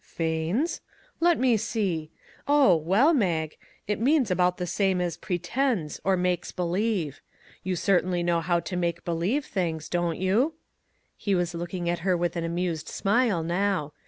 ""' Feigns '? Let me see. Oh, well, Mag, it means about the same as ' pretends,' or 'makes believe/ You certainly know how to make be lieve things. Don't you ?" he was looking at her with an amused smile now.